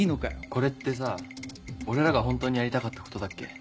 これってさ俺らが本当にやりたかったことだっけ？